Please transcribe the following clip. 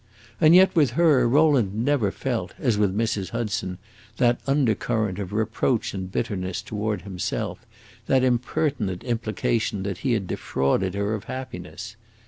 And yet, with her, Rowland never felt, as with Mrs. Hudson, that undercurrent of reproach and bitterness toward himself, that impertinent implication that he had defrauded her of happiness.